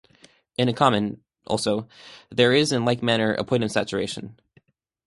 In a common, also, there is in like manner a point of saturation.